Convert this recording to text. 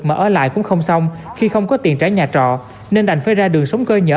mà ở lại cũng không xong khi không có tiền trả nhà trọ nên đành phải ra đường sống cơ nhở